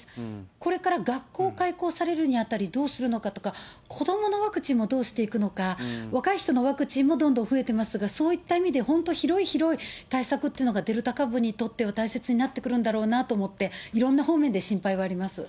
これから学校開校されるにあたり、どうするのかとか、子どものワクチンもどうしていくのか、若い人のワクチンもどんどん増えてますが、そういった意味で本当、広い広い対策っていうのがデルタ株にとっては大切になってくるんだろうなと思って、いろんな方面で心配はあります。